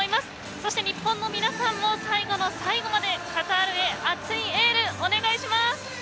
そして日本の皆さんも最後の最後までカタールへ熱いエール、お願いします。